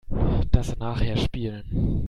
Das nachher spielen.